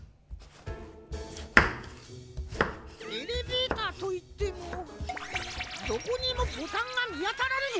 エレベーターといってもどこにもボタンがみあたらんぞ。